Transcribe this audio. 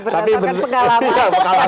tapi berdasarkan pengalaman